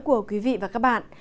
của quý vị và các bạn